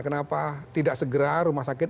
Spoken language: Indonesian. kenapa tidak segera rumah sakit